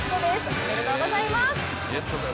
おめでとうございます。